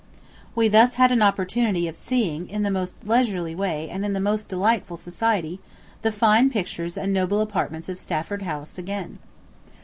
We had thus an opportunity of seeing, in the most leisurely way and in the most delightful society, the fine pictures and noble apartments of Stafford House again.